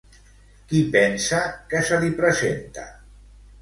Qui pensa que se li presenta?